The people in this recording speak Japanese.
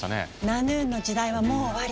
「ナヌーン」の時代はもう終わり。